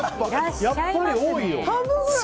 やっぱり多いよ。